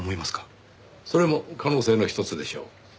それも可能性のひとつでしょう。